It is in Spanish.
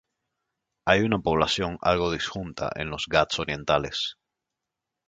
Hay una población algo disjunta en los Ghats orientales.